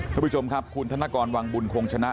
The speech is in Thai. คุณผู้ชมครับคุณธนกรวังบุญคงชนะ